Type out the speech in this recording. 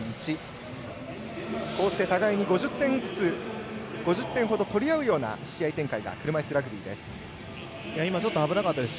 互いに５０点ほど取り合うような試合展開が車いすラグビーです。